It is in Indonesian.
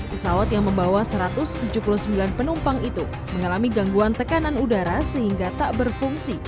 pesawat yang membawa satu ratus tujuh puluh sembilan penumpang itu mengalami gangguan tekanan udara sehingga tak berfungsi